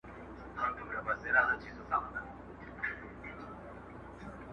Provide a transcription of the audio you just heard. د نیکه ږغ؛